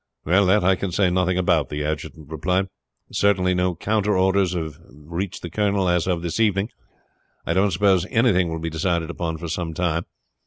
"That I can say nothing about," the adjutant replied. "Certainly no counter orders have reached the colonel this evening. I don't suppose anything will be decided upon for some time.